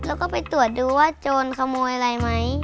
แล้วก็ไปตรวจดูว่าโจรขโมยอะไรไหม